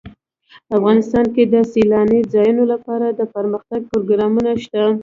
افغانستان کې د سیلانی ځایونه لپاره دپرمختیا پروګرامونه شته.